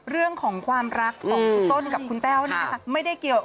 เรื่องของความรักของปุ๊บต้นกับคุณแก้วนี่นะคะ